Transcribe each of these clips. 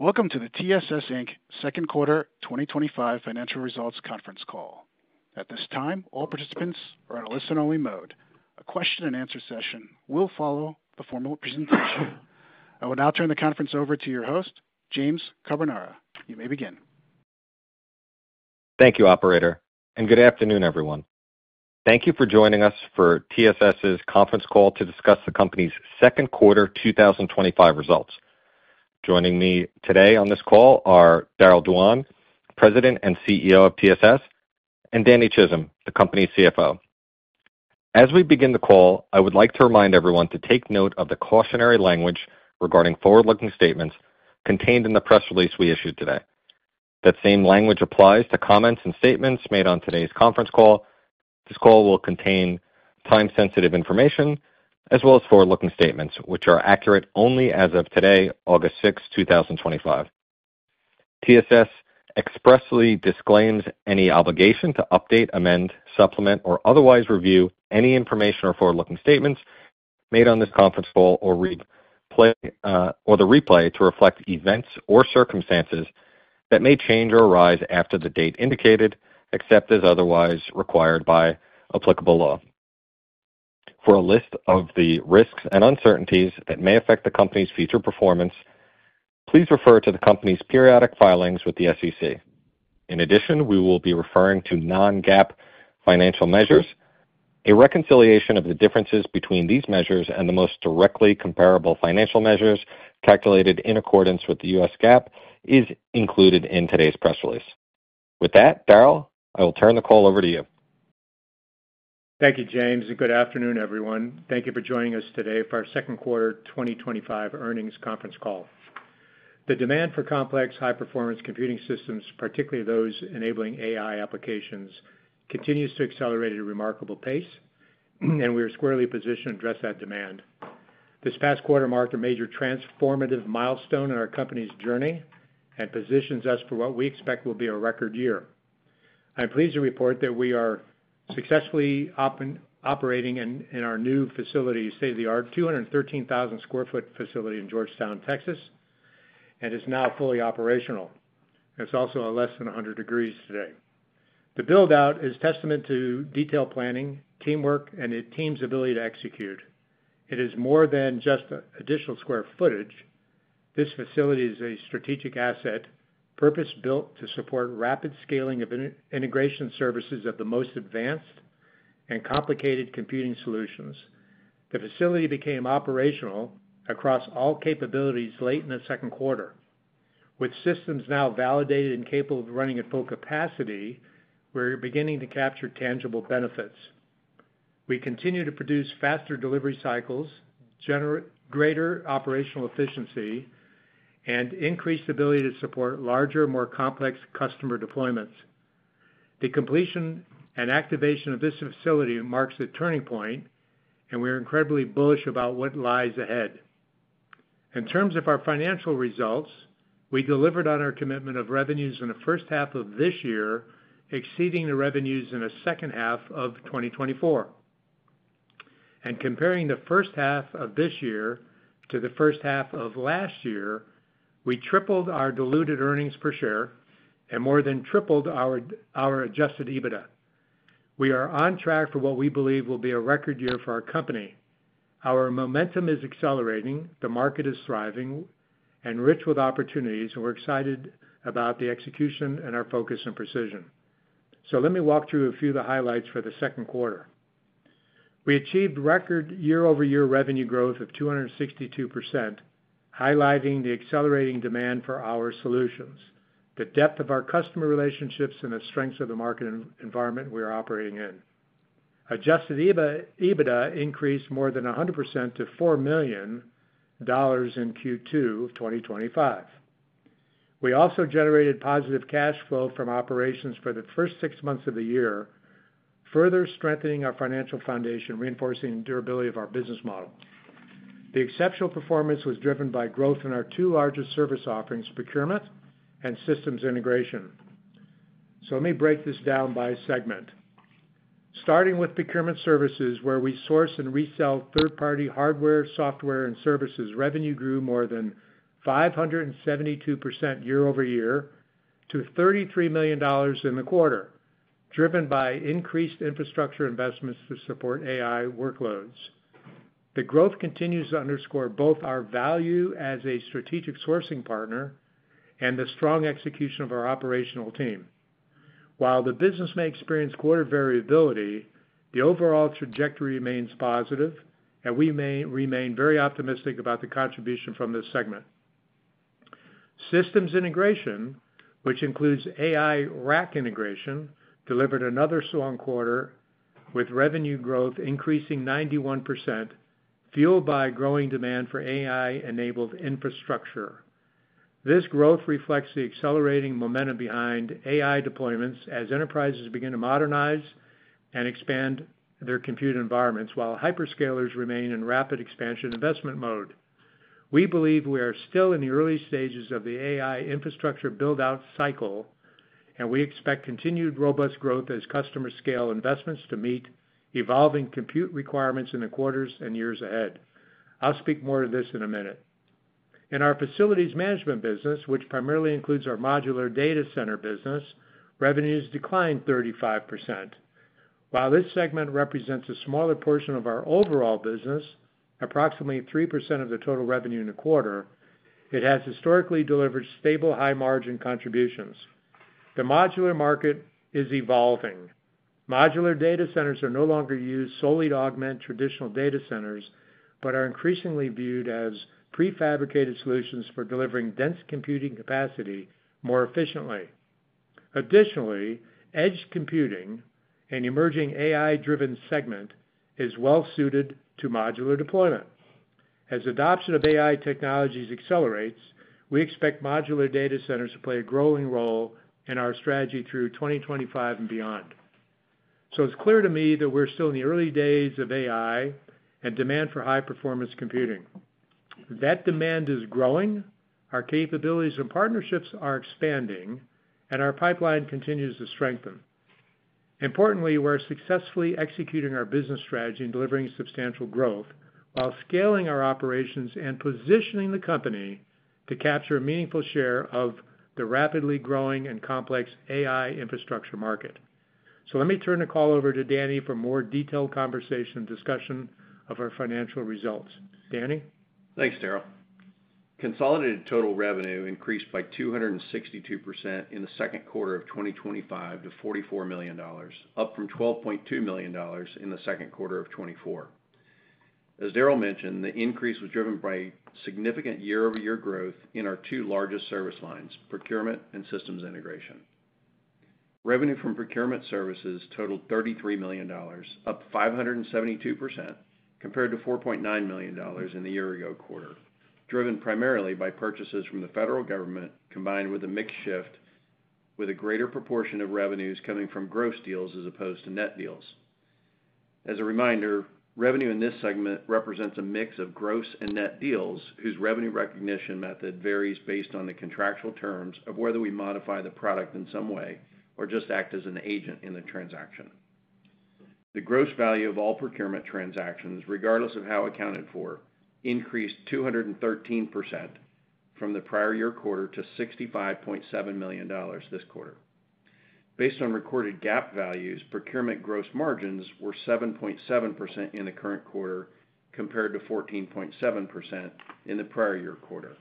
Greetings. Welcome to the TSS Inc. Second Quarter twenty twenty five Financial Results Conference Call. At this time, all participants are in a listen only mode. A question and answer session will follow the formal presentation. I will now turn the conference over to your host, James Carbonara. You may begin. Thank you, operator, and good afternoon, everyone. Thank you for joining us for TSS's conference call to discuss the company's second quarter twenty twenty five results. Joining me today on this call are Daryl Duan, President and CEO of TSS and Danny Chisholm, the company's CFO. As we begin the call, I would like to remind everyone to take note of the cautionary language regarding forward looking statements contained in the press release we issued today. That same language applies to comments and statements made on today's conference call. This call will contain time sensitive information as well as forward looking statements, are accurate only as of today, 08/06/2025. TSS expressly disclaims any obligation to update, amend, supplement or otherwise review any information or forward looking statements made on this conference call or the replay to reflect events or circumstances that may change or arise after the date indicated, except as otherwise required by applicable law. For a list of the risks and uncertainties that may affect the company's future performance, please refer to the company's periodic filings with the SEC. In addition, we will be referring to non GAAP financial measures. A reconciliation of the differences between these measures and the most directly comparable financial measures calculated in accordance with The U. S. GAAP is included in today's press release. With that, Daryl, I will turn the call over to you. Thank you, James, and good afternoon, everyone. Thank you for joining us today for our second quarter twenty twenty five earnings conference call. The demand for complex high performance computing systems, particularly those enabling AI applications, continues to accelerate at a remarkable pace, and we are squarely positioned to address that demand. This past quarter marked a major transformative milestone in our company's journey and positions us for what we expect will be a record year. I'm pleased to report that we are successfully operating in our new facility, state of the art 213,000 square foot facility in Georgetown, Texas, and is now fully operational. It's also less than 100 degrees today. The build out is testament to detailed planning, teamwork, and the team's ability to execute. It is more than just additional square footage. This facility is a strategic asset purpose built to support rapid scaling of integration services of the most advanced and complicated computing solutions. The facility became operational across all capabilities late in the second quarter. With systems now validated and capable of running at full capacity, we're beginning to capture tangible benefits. We continue to produce faster delivery cycles, generate greater operational efficiency, and increase the ability to support larger, more complex customer deployments. The completion and activation of this facility marks a turning point, and we are incredibly bullish about what lies ahead. In terms of our financial results, we delivered on our commitment of revenues in the first half of this year exceeding the revenues in the 2024. And comparing the first half of this year to the first half of last year, we tripled our diluted earnings per share and more than tripled our adjusted EBITDA. We are on track for what we believe will be a record year for our company. Our momentum is accelerating, the market is thriving and rich with opportunities, and we're excited about the execution and our focus on precision. So let me walk through a few of the highlights for the second quarter. We achieved record year over year revenue growth of 262%, highlighting the accelerating demand for our solutions, the depth of our customer relationships and the strengths of the market environment we are operating in. Adjusted EBITDA increased more than 100% to $4,000,000 in 2025. We also generated positive cash flow from operations for the first six months of the year, further strengthening our financial foundation, reinforcing durability of our business model. The exceptional performance was driven by growth in our two largest service offerings, procurement and systems integration. So let me break this down by segment. Starting with procurement services where we source and resell third party hardware, software and services, revenue grew more than 572% year over year to $33,000,000 in the quarter, driven by increased infrastructure investments to support AI workloads. The growth continues to underscore both our value as strategic sourcing partner and the strong execution of our operational team. While the business may experience quarter variability, the overall trajectory remains positive and we remain very optimistic about the contribution from this segment. Systems Integration, which includes AI RAC integration, delivered another strong quarter with revenue growth increasing 91%, fueled by growing demand for AI enabled infrastructure. This growth reflects the accelerating momentum behind AI deployments as enterprises begin to modernize and expand their compute environments, while hyperscalers remain in rapid expansion investment mode. We believe we are still in the early stages of the AI infrastructure build out cycle, and we expect continued robust growth as customers scale investments to meet evolving compute requirements in the quarters and years ahead. I'll speak more to this in a minute. In our facilities management business, which primarily includes our modular data center business, revenues declined 35%. While this segment represents a smaller portion of our overall business, approximately 3% of the total revenue in the quarter, it has historically delivered stable high margin contributions. The modular market is evolving. Modular data centers are no longer used solely to augment traditional data centers, but are increasingly viewed as prefabricated solutions for delivering dense computing capacity more efficiently. Additionally, edge computing, an emerging AI driven segment, is well suited to modular deployment. As adoption of AI technologies accelerates, we expect modular data centers to play a growing role in our strategy through 2025 and beyond. So it's clear to me that we're still in the early days of AI and demand for high performance computing. That demand is growing, our capabilities and partnerships are expanding, and our pipeline continues to strengthen. Importantly, we're successfully executing our business strategy and delivering substantial growth while scaling our operations and positioning the company to capture a meaningful share of the rapidly growing and complex AI infrastructure market. So let me turn the call over to Danny for a more detailed conversation and discussion of our financial results. Danny? Thanks Darryl. Consolidated total revenue increased by 262% in the 2025 to $44,000,000 up from $12,200,000 in the 2024. As Darryl mentioned, the increase was driven by significant year over year growth in our two largest service lines, procurement and systems integration. Revenue from procurement services totaled $33,000,000 up 572% compared to $4,900,000 in the year ago quarter, driven primarily by purchases from the federal government combined with a mix shift with a greater proportion of revenues coming from gross deals as opposed to net deals. As a reminder, revenue in this segment represents a mix of gross and net deals whose revenue recognition method varies based on the contractual terms of whether we modify the product in some way or just act as an agent in the transaction. The gross value of all procurement transactions, regardless of how accounted for, increased 213% from the prior year quarter to $65,700,000 this quarter. Based on recorded GAAP values, procurement gross margins were 7.7% in the current quarter compared to 14.7% in the prior year quarter.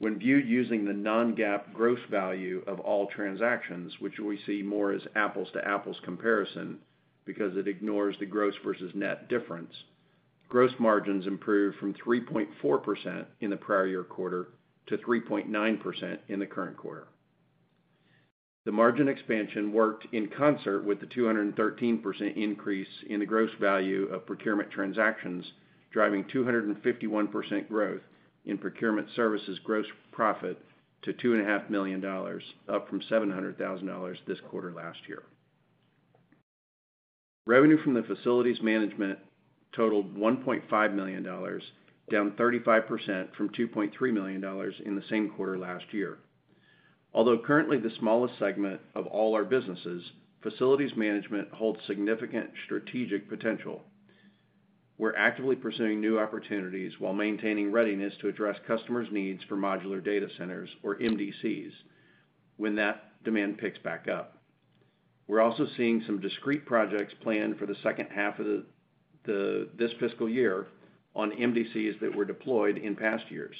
When viewed using the non GAAP gross value of all transactions, which we see more as apples to apples comparison because it ignores the gross versus net difference, gross margins improved from 3.4% in the prior year quarter to 3.9% in the current quarter. The margin expansion worked in concert with the 213% increase in the gross value of procurement transactions, driving 251% growth in procurement services gross profit to $2,500,000 up from $700,000 this quarter last year. Revenue from the Facilities Management totaled $1,500,000 down 35% from $2,300,000 in the same quarter last year. Although currently the smallest segment of all our businesses, facilities management holds significant strategic potential. We're actively pursuing new opportunities while maintaining readiness to address customers' needs for modular data centers, or MDCs, when that demand picks back up. We're also seeing some discrete projects planned for the second half of the this fiscal year on MDCs that were deployed in past years.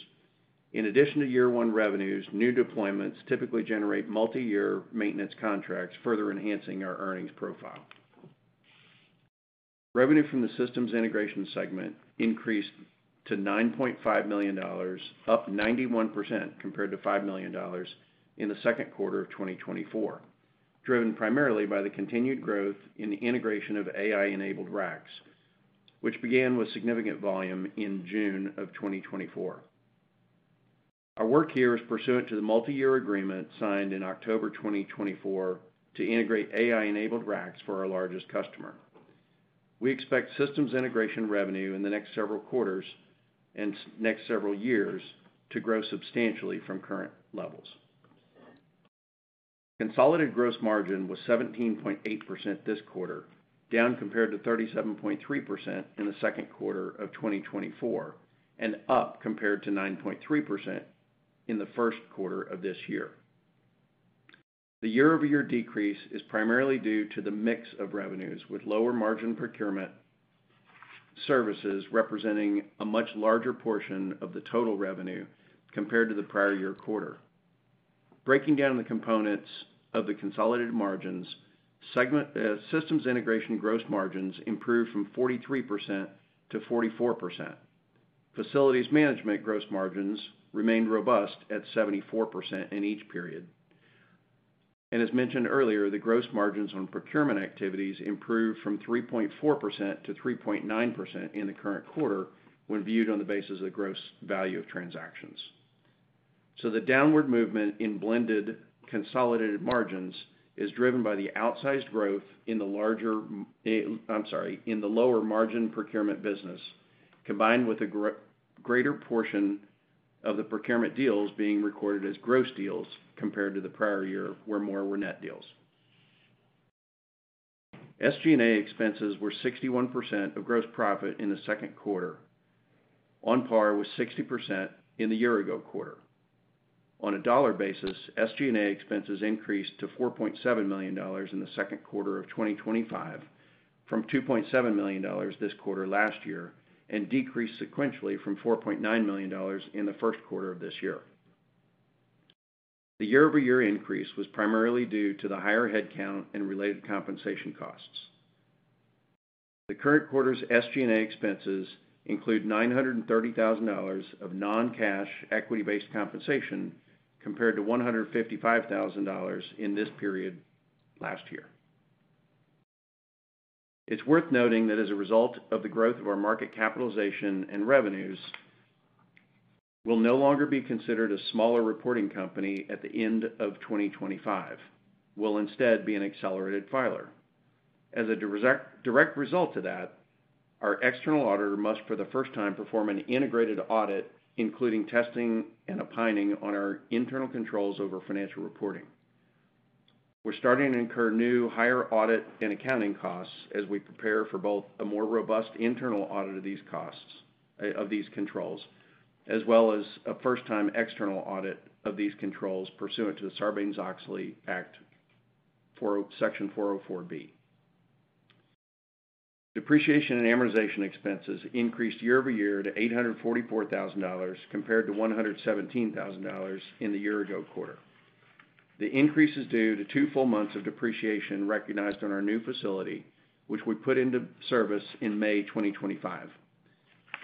In addition to year one revenues, new deployments typically generate multi year maintenance contracts, further enhancing our earnings profile. Revenue from the systems integration segment increased to $9,500,000 up 91% compared to $5,000,000 in the 2024, driven primarily by the continued growth in the integration of AI enabled racks, which began with significant volume in June 2024. Our work here is pursuant to the multiyear agreement signed in October 2024 to integrate AI enabled racks for our largest customer. We expect systems integration revenue in the next several quarters and next several years to grow substantially from current levels. Consolidated gross margin was 17.8% this quarter, down compared to 37.3% in the 2024 and up compared to 9.3% in the first quarter of this year. The year over year decrease is primarily due to the mix of revenues with lower margin procurement services representing a much larger portion of the total revenue compared to the prior year quarter. Breaking down the components of the consolidated margins, Systems Integration gross margins improved from 43% to 44%. Facilities management gross margins remained robust at 74% in each period. And as mentioned earlier, the gross margins on procurement activities improved from 3.4% to 3.9% in the current quarter when viewed on the basis of the gross value of transactions. So the downward movement in blended consolidated margins is driven by the outsized growth in the larger I'm sorry, in the lower margin procurement business, combined with a greater portion of the procurement deals being recorded as gross deals compared to the prior year where more were net deals. SG and A expenses were 61% of gross profit in the second quarter, on par with 60% in the year ago quarter. On a dollar basis, SG and A expenses increased to $4,700,000 in the 2025 from $2,700,000 this quarter last year and decreased sequentially from $4,900,000 in the first quarter of this year. The year over year increase was primarily due to the higher headcount and related compensation costs. The current quarter's SG and A expenses include $930,000 of non cash equity based compensation compared to $155,000 in this period last year. It's worth noting that as a result of the growth of our market capitalization and revenues, we'll no longer be considered a smaller reporting company at the 2025. Will instead be an accelerated filer. As a direct direct result to that, our external auditor must, for the first time, perform an integrated audit, including testing and opining on our internal controls over financial reporting. We're starting to incur new higher audit and accounting costs as we prepare for both a more robust internal audit of these costs of these controls, as well as a first time external audit of these controls pursuant to the Sarbanes Oxley Act Section four zero four. And amortization expenses increased year over year to $844,000 compared to $117,000 in the year ago quarter. The increase is due to two full months of depreciation recognized on our new facility, which we put into service in May 2025.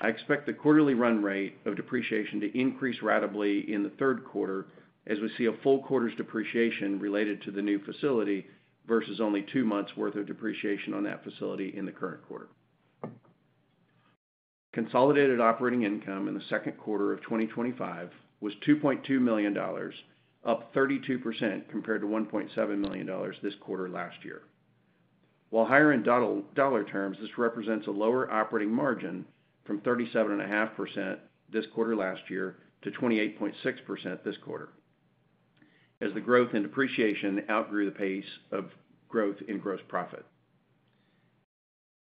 I expect the quarterly run rate of depreciation to increase ratably in the third quarter as we see a full quarter's depreciation related to the new facility versus only two months' worth of depreciation on that facility in the current quarter. Consolidated operating income in the 2025 was $2,200,000 up 32% compared to $1,700,000 this quarter last year. While higher in dollar terms, this represents a lower operating margin from 37.5% this quarter last year to 28.6% this quarter. As the growth in depreciation outgrew the pace of growth in gross profit.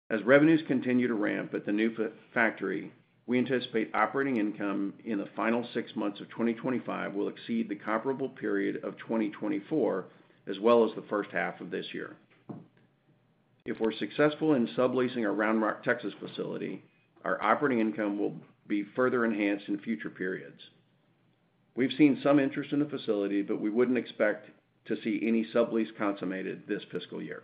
As revenues continue to ramp at the new factory, we anticipate operating income in the final six months of 2025 will exceed the comparable period of 2024 as well as the first half of this year. If we're successful in subleasing our Round Rock, Texas facility, our operating income will be further enhanced in future periods. We've seen some interest in the facility, but we wouldn't expect to see any sublease consummated this fiscal year.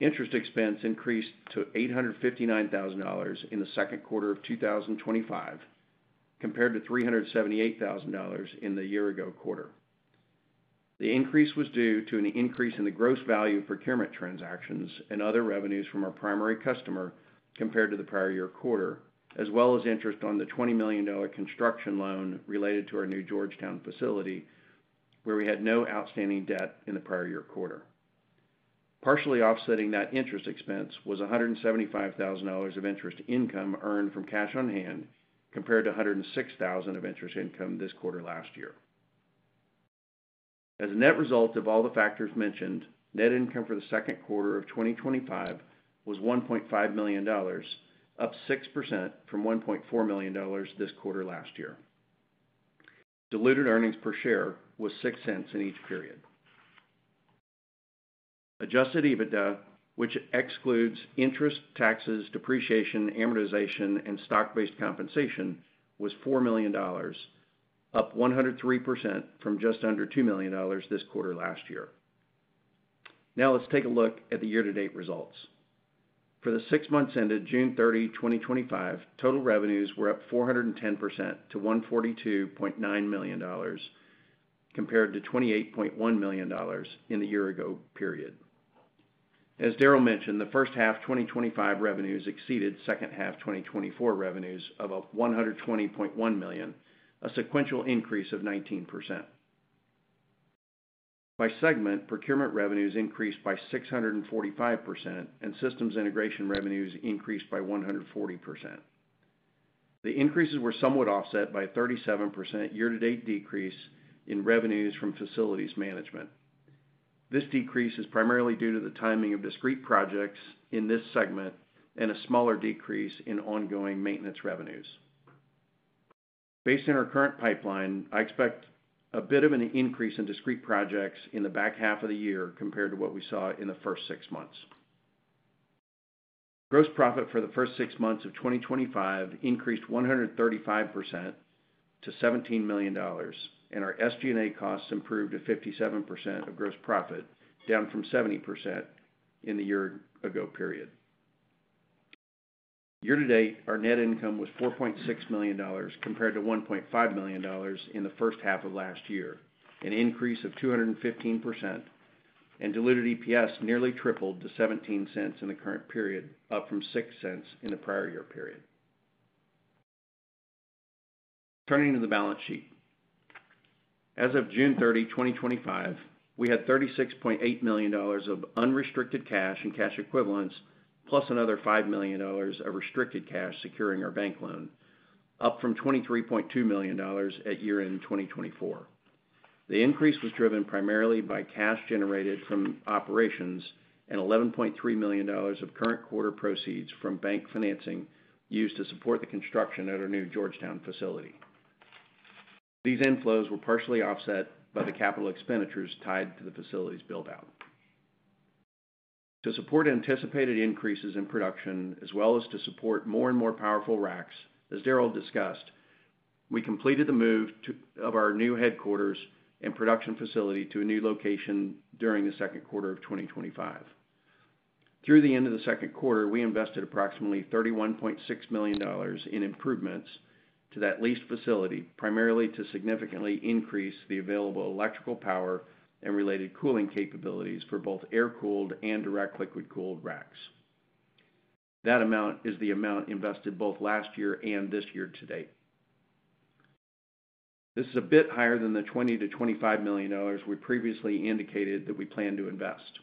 Interest expense increased to $859,000 in the 2025, compared to $378,000 in the year ago quarter. The increase was due to an increase in the gross value procurement transactions and other revenues from our primary customer compared to the prior year quarter, as well as interest on the $20,000,000 construction loan related to our new Georgetown facility where we had no outstanding debt in the prior year quarter. Partially offsetting that interest expense was $175,000 of interest income earned from cash on hand compared to $106,000 of interest income this quarter last year. As a net result of all the factors mentioned, net income for the 2025 was $1,500,000 up 6% from $1,400,000 this quarter last year. Diluted earnings per share was $06 in each period. Adjusted EBITDA, which excludes interest, taxes, depreciation, amortization, and stock based compensation, was $4,000,000 up 103% from just under $2,000,000 this quarter last year. Now let's take a look at the year to date results. For the six months ended 06/30/2025, total revenues were up 410% to $142,900,000 compared to $28,100,000 in the year ago period. As Darryl mentioned, the first half twenty twenty five revenues exceeded second half twenty twenty four revenues of 120,100,000.0 a sequential increase of 19%. By segment, procurement revenues increased by 645% and systems integration revenues increased by 140%. The increases were somewhat offset by a 37 year to date decrease in revenues from facilities management. This decrease is primarily due to the timing of discrete projects in this segment and a smaller decrease in ongoing maintenance revenues. Based on our current pipeline, I expect a bit of an increase in discrete projects in the back half of the year compared to what we saw in the first six months. Gross profit for the first six months of twenty twenty five increased 135% to $17,000,000 and our SG and A costs improved to 57% of gross profit, down from 70% in the year ago period. Year to date, our net income was $4,600,000 compared to $1,500,000 in the first half of last year, an increase of 215%, and diluted EPS nearly tripled to zero one seven dollars in the current period, up from $06 in the prior year period. Turning to the balance sheet. As of 06/30/2025, we had $36,800,000 of unrestricted cash and cash equivalents, plus another $5,000,000 of restricted cash securing our bank loan, up from $23,200,000 at year end 2024. The increase was driven primarily by cash generated from operations and $11,300,000 of current quarter proceeds from bank financing used to support the construction at our new Georgetown facility. These inflows were partially offset by the capital expenditures tied to the facility's build out. To support anticipated increases in production, as well as to support more and more powerful racks, as Daryl discussed, we completed the move of our new headquarters and production facility to a new location during the 2025. Through the end of the second quarter, we invested approximately $31,600,000 in improvements to that leased facility, primarily to significantly increase the available electrical power and related cooling capabilities for both air cooled and direct liquid cooled That amount is the amount invested both last year and this year to date. This is a bit higher than the 20,000,000 to $25,000,000 we previously indicated that we plan to invest.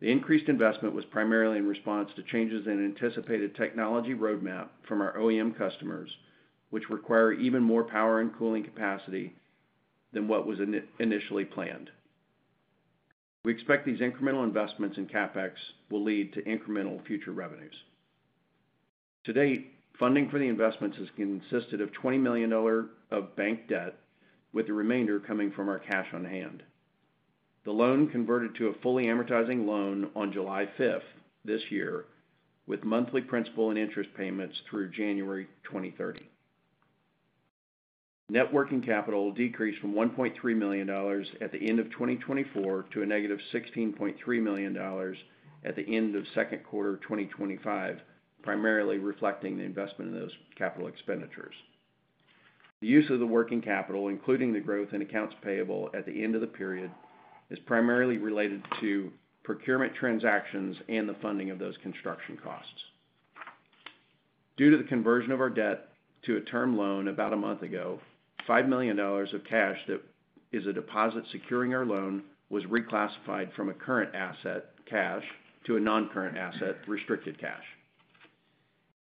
The increased investment was primarily in response to changes in anticipated technology roadmap from our OEM customers, which require even more power and cooling capacity than what was initially planned. We expect these incremental investments in capex will lead to incremental future revenues. To date, funding for the investments has consisted of $20,000,000 of bank debt, with the remainder coming from our cash on hand. The loan converted to a fully amortizing loan on July with monthly principal and interest payments through January 2030. Net working capital decreased from $1,300,000 at the 2024 to a negative $16,300,000 at the end of second quarter twenty twenty five, primarily reflecting the investment in those capital expenditures. The use of the working capital, including the growth in accounts payable at the end of the period, is primarily related to procurement transactions and the funding of those construction costs. Due to the conversion of our debt to a term loan about a month ago, dollars 5,000,000 of cash that is a deposit securing our loan was reclassified from a current asset, cash, to a non current asset, restricted cash.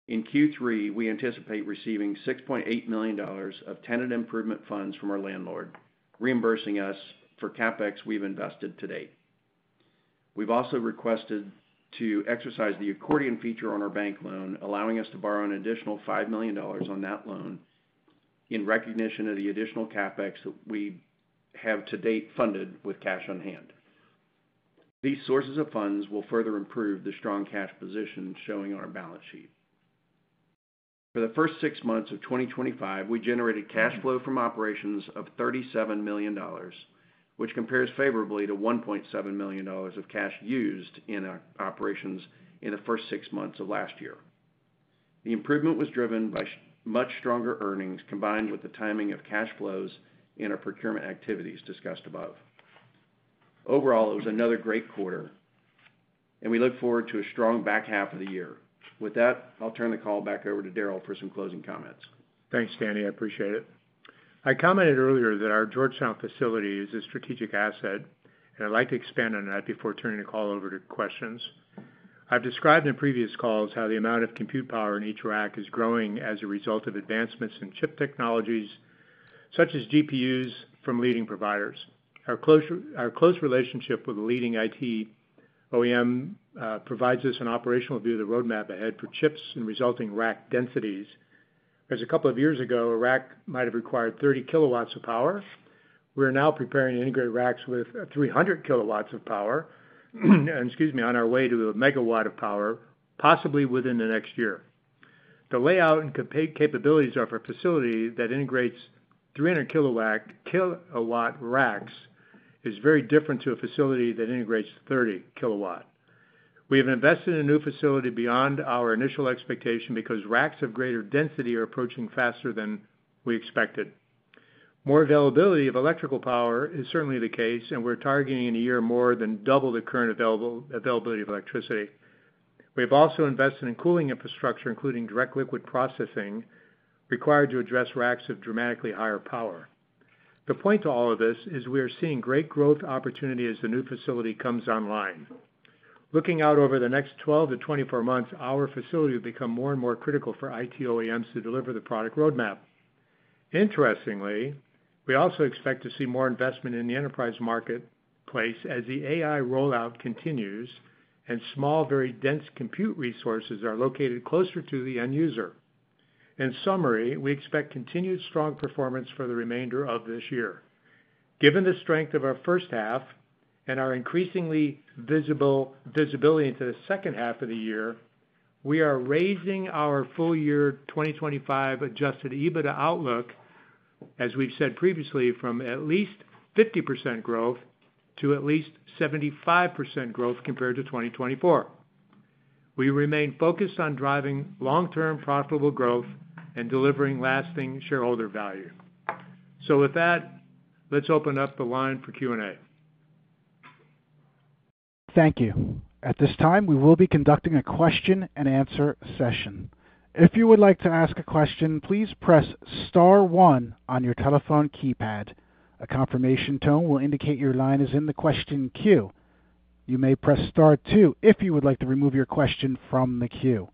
In Q3, we anticipate receiving $6,800,000 of tenant improvement funds from our landlord, reimbursing us for CapEx we've invested to date. We've also requested to exercise the accordion feature on our bank loan, allowing us to borrow an additional $5,000,000 on that loan in recognition of the additional capex that we have to date funded with cash on hand. These sources of funds will further improve the strong cash position showing on our balance sheet. For the first six months of twenty twenty five, we generated cash flow from operations of $37,000,000 which compares favorably to $1,700,000 of cash used in our operations in the first six months of last year. The improvement was driven by much stronger earnings combined with the timing of cash flows in our procurement activities discussed above. Overall, it was another great quarter, and we look forward to a strong back half of the year. With that, I'll turn the call back over to Daryl for some closing comments. Thanks, Danny. I appreciate it. I commented earlier that our Georgetown facility is a strategic asset, and I'd like to expand on that before turning the call over to questions. I've described in previous calls how the amount of compute power in each rack is growing as a result of advancements in chip technologies such as GPUs from leading providers. Our close relationship with a leading IT OEM provides us an operational view of the roadmap ahead for chips and resulting rack densities. As a couple of years ago, a rack might have required 30 kilowatts of power. We're now preparing to integrate racks with 300 kilowatts of power, on our way to a megawatt of power possibly within the next year. The layout and capabilities of a facility that integrates 300 kilowatt racks is very different to a facility that integrates 30 kilowatt. We have invested in a new facility beyond our initial expectation because racks of greater density are approaching faster than we expected. More availability of electrical power is certainly the case, and we're targeting in a year more than double the current availability of electricity. We have also invested in cooling infrastructure, including direct liquid processing required to address racks of dramatically higher power. The point to all of this is we are seeing great growth opportunity as the new facility comes online. Looking out over the next twelve to twenty four months, our facility will become more and more critical for IT OEMs to deliver the product roadmap. Interestingly, we also expect to see more investment in the enterprise marketplace as the AI rollout continues and small, very dense compute resources are located closer to the end user. In summary, we expect continued strong performance for the remainder of this year. Given the strength of our first half and our increasingly visibility into the second half of the year, we are raising our full year 2025 adjusted EBITDA outlook, as we've said previously, from at least 50% growth to at least 75% growth compared to 2024. We remain focused on driving long term profitable growth and delivering lasting shareholder value. So with that, let's open up the line for Q and A. Thank you. At this time, we will be conducting a question and answer You may press star two if you would like to remove your question from the queue.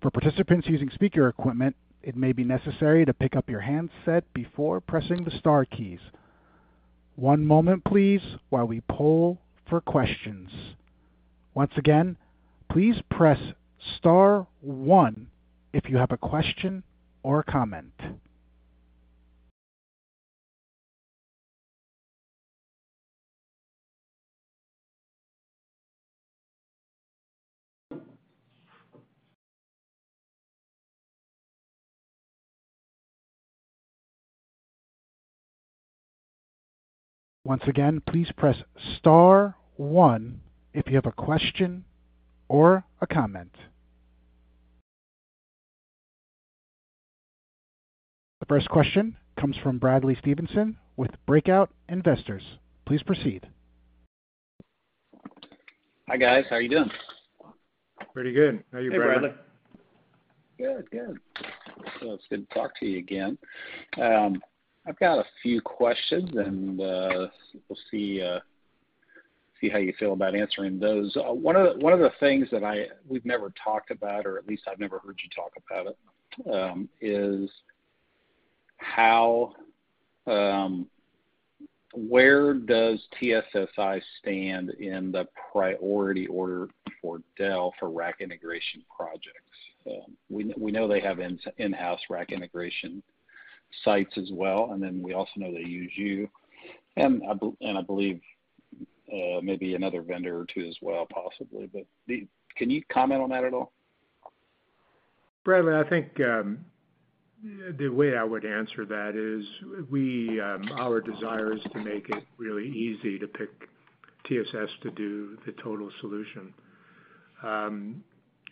For participants using speaker equipment, it may be necessary to pick up your handset before pressing the star keys. One moment please while we poll for questions. First question comes from Bradley Stevenson with Breakout Investors. Please proceed. Hi guys, how are you doing? Pretty good. How are you, Bradley? Good. Good. So it's good to talk to you again. I've got a few questions, and, we'll see see how you feel about answering those. One of one of the things that I we've never talked about or at least I've never heard you talk about it, is how, where does TSSI stand in the priority order for Dell for rack integration projects? We know they have in house RAC integration sites as well and then we also know they use you and believe maybe another vendor or two as well possibly. Can you comment on that at all? Bradley, I think the way I would answer that is our desire is to make it really easy to pick TSS to do the total solution.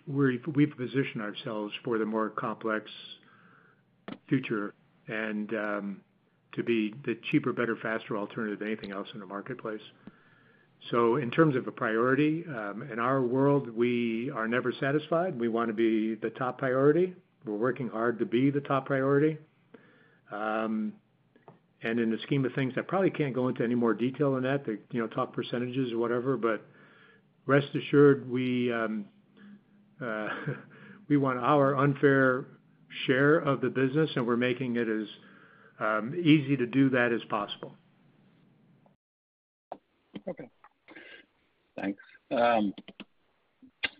We've positioned ourselves for the more complex future and to be the cheaper, better, faster alternative than anything else in the marketplace. So in terms of priority, in our world we are never satisfied. We want to be the top priority. We're working hard to be the top priority. And in the scheme of things, probably can't go into any more detail on that, the top percentages or whatever, but rest assured we want our unfair share of the business and we're making it as easy to do that as possible. Okay, thanks.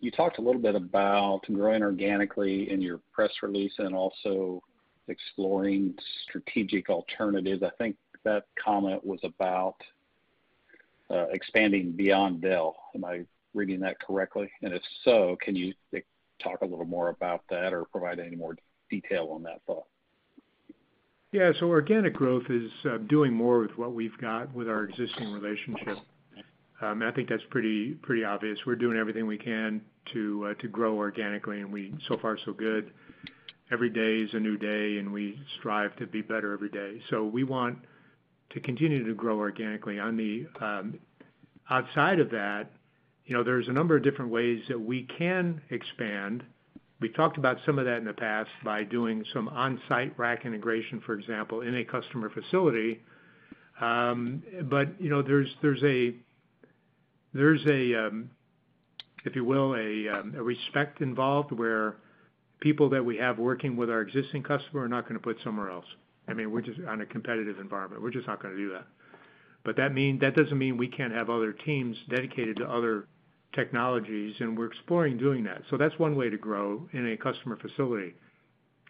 You talked a little bit about growing organically in your press release and also exploring strategic alternatives. I think that comment was about expanding beyond Dell. Am I reading that correctly? And if so, can you talk a little more about that or provide any more detail on that thought? Yes. So organic growth is doing more with what we've got with our existing relationship. I think that's pretty obvious. We're doing everything we can to grow organically and we so far so good. Every day is a new day and we strive to be better every day. So we want to continue to grow organically. Outside of that, there's a number of different ways that we can expand. We talked about some of that in the past by doing some on-site rack integration, for example, in a customer facility. But there's a, if you will, a respect involved where people that we have working with our existing customer are not gonna put somewhere else. I mean, we're just on a competitive environment. We're just not gonna do But that doesn't mean we can't have other teams dedicated to other technologies, and we're exploring doing that. So that's one way to grow in a customer facility.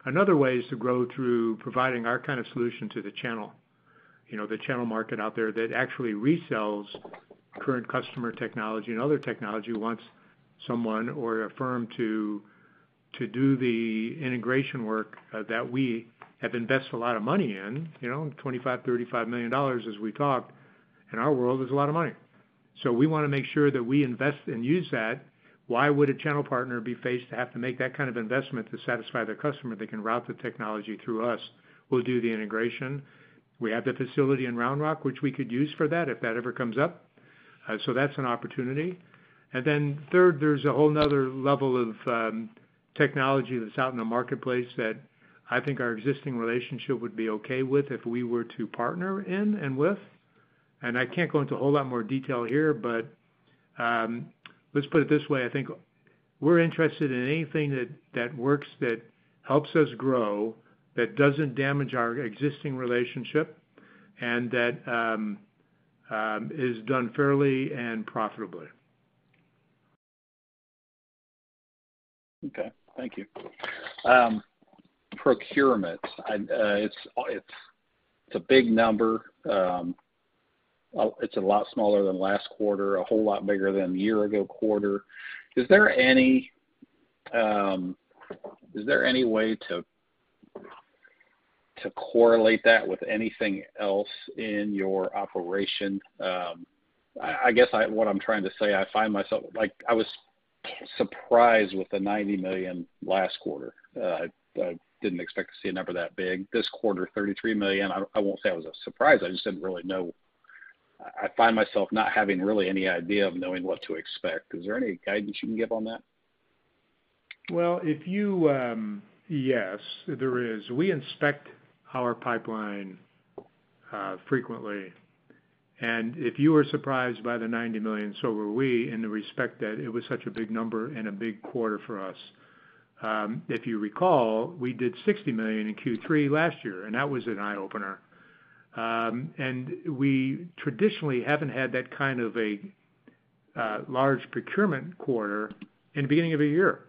Another way is to grow through providing our kind of solution to the channel, The channel market out there that actually resells current customer technology and other technology wants someone or a firm to do the integration work that we have invested a lot of money in, dollars 25,000,000, 35,000,000 as we talked, in our world is a lot of money. So we wanna make sure that we invest and use that. Why would a channel partner be faced to have to make that kind of investment to satisfy their customer? They can route the technology through us. We'll do the integration. We have the facility in Round Rock, which we could use for that if that ever comes up. So that's an opportunity. And then third, there's a whole another level of technology that's out in the marketplace that I think our existing relationship would be okay with if we were to partner in and with. And I can't go into a whole lot more detail here, but let's put it this way. Think we're interested in anything that works that helps us grow, that doesn't damage our existing relationship, and that is done fairly and profitably. Okay. Thank you. Procurement, it's a big number. It's a lot smaller than last quarter, a whole lot bigger than the year ago quarter. Is there any is there any way to to correlate that with anything else in your operation? I I guess I what I'm trying to say, I find myself like, I was surprised with the 90,000,000 last quarter. I didn't expect to see a number that big. This quarter, 33,000,000. I won't say I was a surprise. I just didn't really know. I find myself not having really any idea of knowing what to expect. Is there any guidance you can give on that? Well, if you yes, there is. We inspect our pipeline frequently. And if you were surprised by the $90,000,000 so were we in the respect that it was such a big number and a big quarter for us. If you recall, we did 60,000,000 in Q3 last year, and that was an eye opener. And we traditionally haven't had that kind of a large procurement quarter in the beginning of a year.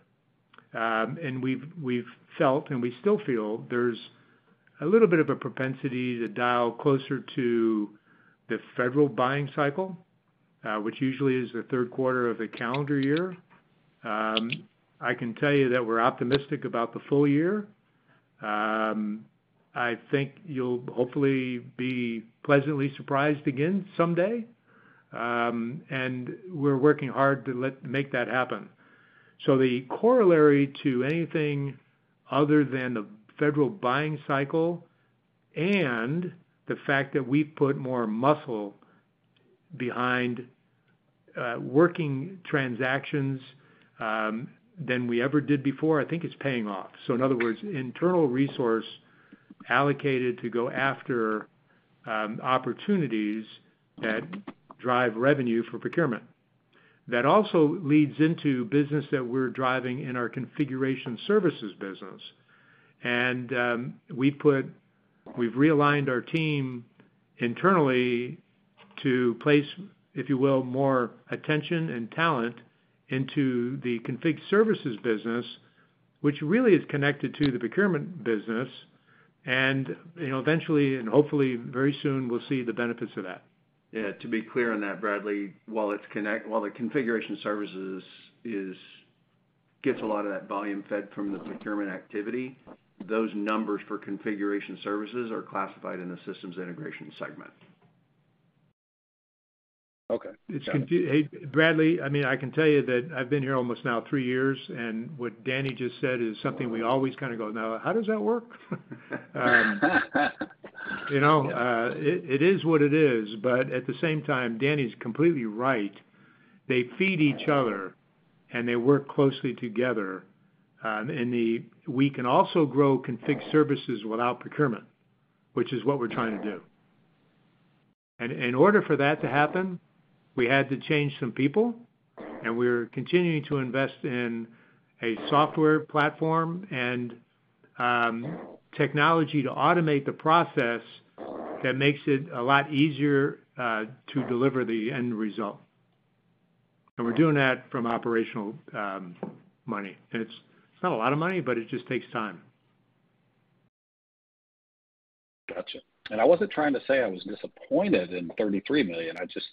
And we've felt and we still feel there's a little bit of a propensity to dial closer to the federal buying cycle, which usually is the third quarter of the calendar year. I can tell you that we're optimistic about the full year. I think you'll hopefully be pleasantly surprised again someday. And we're working hard to make that happen. So the corollary to anything other than the federal buying cycle and the fact that we put more muscle behind working transactions than we ever did before, I think it's paying off. So in other words, internal resource allocated to go after opportunities that drive revenue for procurement. That also leads into business that we're driving in our configuration services business. And we've realigned our team internally to place, if you will, more attention and talent into the config services business, which really is connected to the procurement business. Eventually and hopefully very soon we'll see the benefits of that. Yeah, to be clear on that, Bradley, while the configuration services is gets a lot of that volume fed from the procurement activity, those numbers for configuration services are classified in the systems integration segment. Okay. It's confusing. Bradley, I mean, can tell you that I've been here almost now three years and what Danny just said is something we always kind of go, now how does that work? It is what it is, but at the same time, Danny's completely right. They feed each other and they work closely together. And we can also grow config services without procurement, which is what we're trying to do. And in order for that to happen, we had to change some people and we're continuing to invest in a software platform and technology to automate the process that makes it a lot easier to deliver the end result. And we're doing that from operational money. It's not a lot of money, but it just takes time. Gotcha. And I wasn't trying to say I was disappointed in 33,000,000. Just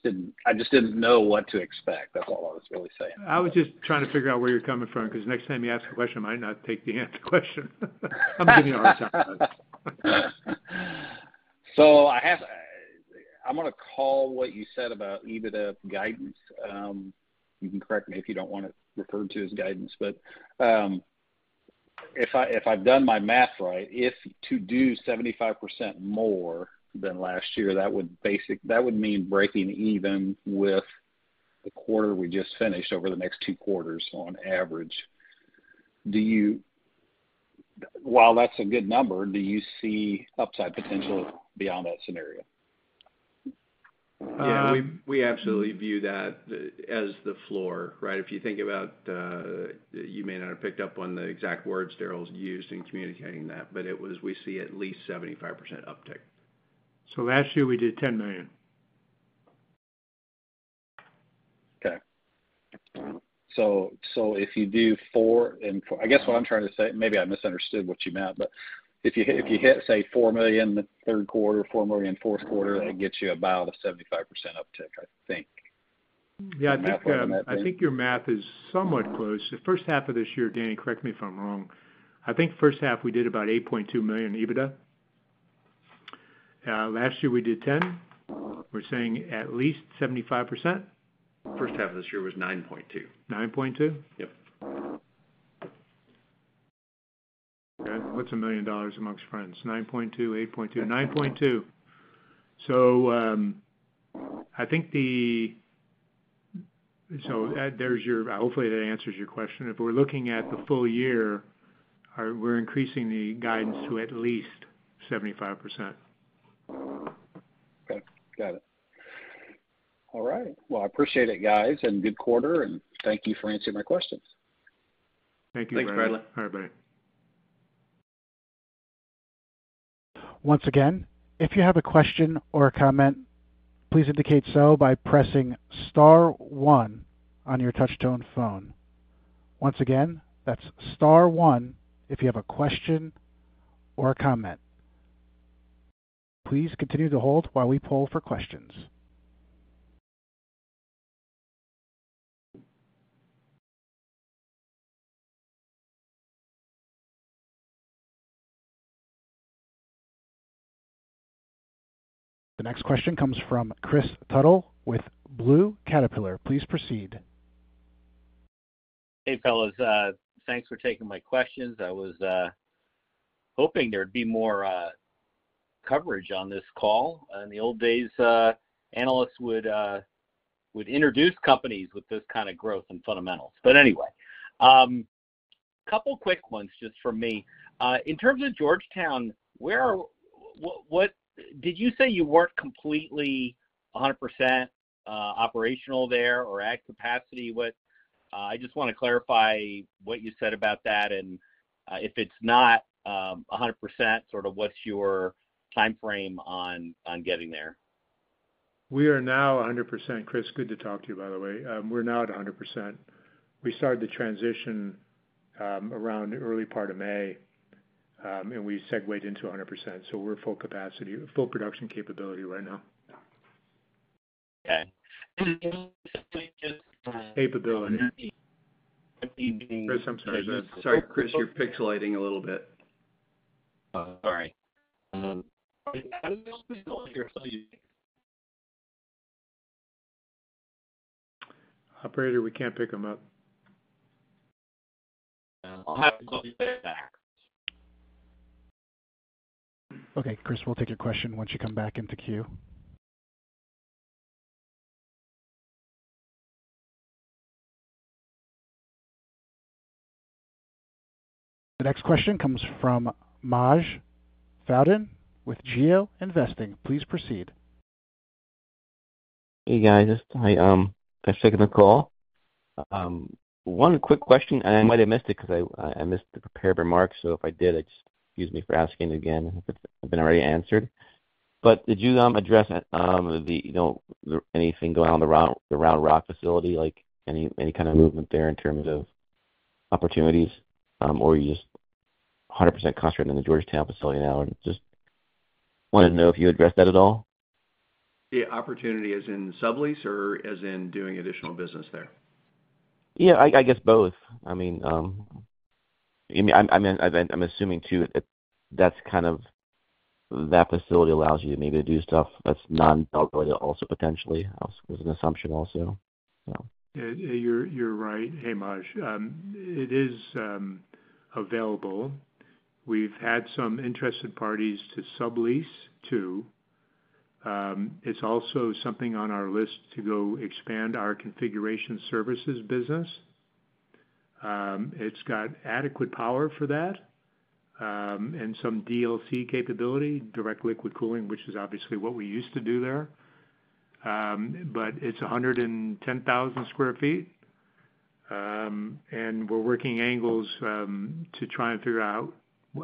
didn't know what to expect. That's all I was really saying. I was just trying to figure out where you're coming from because next time you ask a question, I might not take the answer question. I'm giving you all the time. I have I'm gonna call what you said about EBITDA guidance. You can correct me if you don't want it referred to as guidance. But if I if I've done my math right, if to do 75% more than last year, that would basic that would mean breaking even with the quarter we just finished over the next two quarters on average. Do you while that's a good number, do you see upside potential beyond that scenario? Yeah. We we absolutely view that as the floor. Right? If you think about you may not have picked up on the exact words Darryl's used in communicating that, but it was we see at least 75% uptick. So last year, we did 10,000,000. K. So so if you do four and I guess what I'm trying to say, maybe I misunderstood what you meant, but if you hit if you hit 4,000,000 in the third quarter, 4,000,000 in fourth quarter, that gets you about a 75% uptick, I think. Think your math is somewhat close. The first half of this year, Danny, correct me if I'm wrong, I think first half we did about $8,200,000 EBITDA. Last year we did 10,000,000 We're saying at least 75%. First half of this year was 9.2. 9.2? Yep. What's a million dollars amongst friends? 9.2, 8.2, 9.2. There's your hopefully that answers your question. If we're looking at the full year, we're increasing the guidance to at least 75%. Okay, got it. Alright. Well, I appreciate it, guys, and good quarter, and thank you for answering my questions. Thank you, Bradley. Alright. Bye. Please indicate so by pressing star one on your touch tone phone. Once again, that's star one if you have a question or a comment. Please continue to hold while we poll for questions. The next question comes from Chris Tuttle with Blue Caterpillar. Please proceed. Hey, fellows. Thanks for taking my questions. I was hoping there'd be more coverage on this call. In the old days, analysts would introduce companies with this kind of growth and fundamentals. But anyway, couple of quick ones just for me. In terms of Georgetown, where are what did you say you weren't completely 100% operational there or at capacity? What I just wanna clarify what you said about that and if it's not 100%, sort of what's your timeframe on getting there? Are now 100%, Chris, good to talk to you by the way. We're now at 100%. We started the transition around the May and we segued into 100%. So we're full capacity, full production capability right now. Capability. Chris, I'm sorry. Sorry, Chris. You're pixelating a little bit. Sorry. Operator, we can't pick him up. I'll have to call you back. Okay, Chris. We'll take your question once you come back into queue. The next question comes from Maj Fowden with GeoInvesting. Please proceed. Hey, guys. Hi. Thanks for taking the call. One quick question, and I might have missed it because I I missed the prepared remarks. So if I did, just use me for asking again. It's been already answered. But did you address it? The you know, anything going on the round the Round Rock facility, like, any any kind of movement there in terms of opportunities, or you're just 100% concentrated in the Georgetown facility now? Just wanted to know if you addressed that at all. Yeah. Opportunity as in sublease or as in doing additional business there. Yeah. I I guess both. I mean, you mean I'm I'm in I've been I'm assuming too that that's kind of that facility allows you to maybe do stuff that's nonbelt related also potentially, was an assumption also. You're right, hey Maj. It is available. We've had some interested parties to sublease too. It's also something on our list to go expand our configuration services business. It's got adequate power for that and some DLC capability, direct liquid cooling, which is obviously what we used to do there. But it's 110,000 square feet, and we're working angles to try and figure out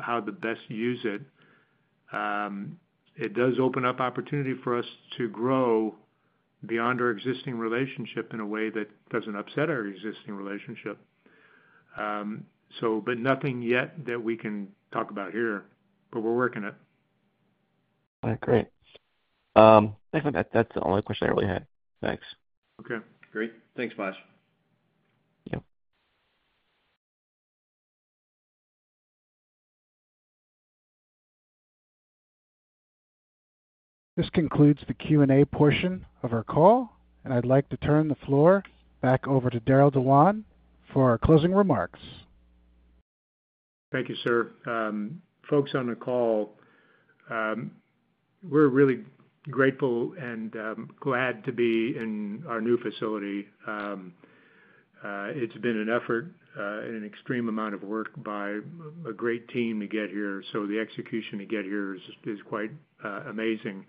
how to best use it. It does open up opportunity for us to grow beyond our existing relationship in a way that doesn't upset our existing relationship. But nothing yet that we can talk about here, but we're working it. All right, great. Thanks, That's the only question I really had. Thanks. Okay, great. Thanks, Bash. This concludes the Q and A portion of our call. And I'd like to turn the floor back over to Darryl Dewan for closing remarks. Thank you, sir. Folks on the call, we're really grateful and glad to be in our new facility. It's been an effort and an extreme amount of work by a great team to get here. So the execution to get here is quite amazing.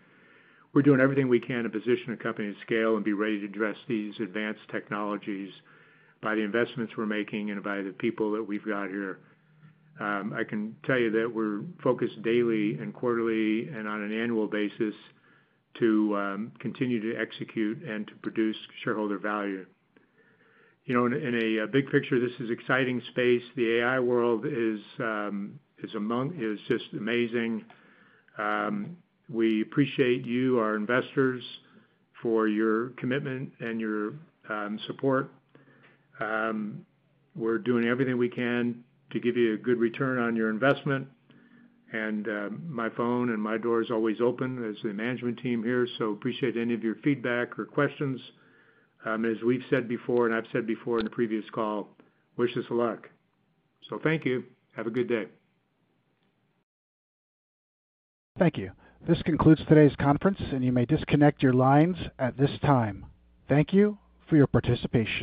We're doing everything we can to position a company to scale and be ready to address these advanced technologies by the investments we're making and by the people that we've got here. I can tell you that we're focused daily and quarterly and on an annual basis to continue to execute and to produce shareholder value. In a big picture, this is exciting space. The AI world just amazing. We appreciate you, our investors, for your commitment and your support. We're doing everything we can to give you a good return on your investment. And my phone and my door is always open as the management team here. So appreciate any of your feedback or questions. As we've said before and I've said before in the previous call, wish us luck. So thank you. Have a good day. Thank you. This concludes today's conference, and you may disconnect your lines at this time. Thank you for your participation.